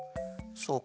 そうか。